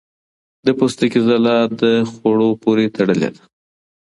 د پوستکي ځلا د خوړو پورې تړلې ده.